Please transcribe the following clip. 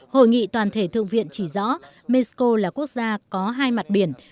hội nghị toàn thể thượng viện chỉ rõ mexico là quốc gia có hai mặt biển